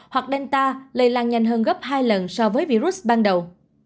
hoặc delta lây lan nhanh hơn gấp hai lần so với virus ban đầu